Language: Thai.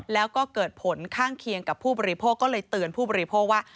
แล้วก็เกิดผลข้างเคียงกับผู้บริโภคก็เลยเตือนผู้บริโภคว่า